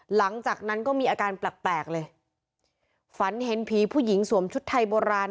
หลังจากนั้นก็มีอาการแปลกแปลกเลยฝันเห็นผีผู้หญิงสวมชุดไทยโบราณ